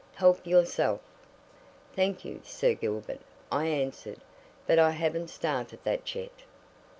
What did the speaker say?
"Help yourself." "Thank you, Sir Gilbert," I answered, "but I haven't started that yet."